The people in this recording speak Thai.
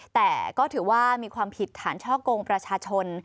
แต่ก็ถือว่ามีความผิดฐานช่อกงประชาชน